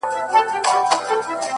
ددغه خلگو په كار. كار مه لره.